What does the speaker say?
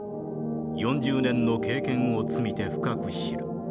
４０年の経験を積みて深く知る。